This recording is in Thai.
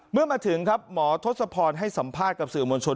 เมื่อมาถึงครับหมอทศพรให้สัมภาษณ์กับสื่อมวลชน